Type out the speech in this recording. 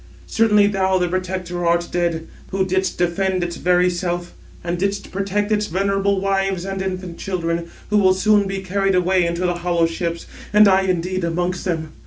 Certainly thou, the protector, art dead, who didst defend its very self, and didst protect its venerable wives and infant children; who will soon be carried away in the hollow ships, and I indeed amongst them.